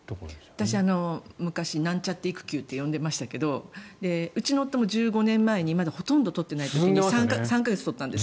私、昔なんちゃって育休と呼んでいましたがうちの夫も１５年前にまだほとんど取っていない時に３か月取ったんです。